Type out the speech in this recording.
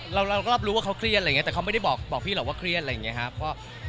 เราก็รับรู้ว่าเขาเครียดอะไรอย่างนี้แต่เขาไม่ได้บอกพี่หรอกว่าเครียดอะไรอย่างนี้ครับ